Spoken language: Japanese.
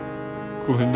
ごめんな。